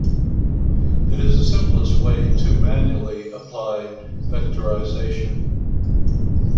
It is the simplest way to manually apply vectorization.